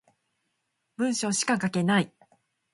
文章しか書けない